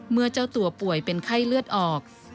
เมื่อเจ้าตัวป่วยเป็นไข้เลือดออก